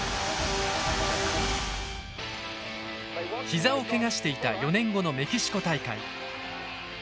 膝をけがしていた４年後のメキシコ大会。